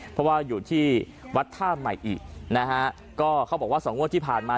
เพราะว่าอยู่ที่วัดท่าใหม่อินะฮะก็เขาบอกว่าสองงวดที่ผ่านมา